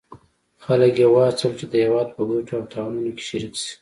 خلک یې وهڅول چې د هیواد په ګټو او تاوانونو کې شریک شي.